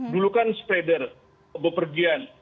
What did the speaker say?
dulu kan spreader pepergian